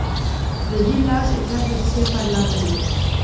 Le village est traversé par la Vène.